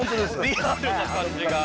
リアルな感じが。